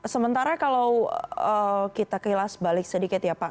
sementara kalau kita kilas balik sedikit ya pak